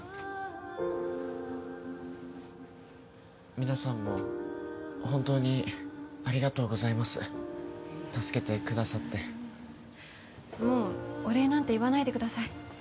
皆さんも本当にありがとうございます助けてくださってもうお礼なんて言わないでください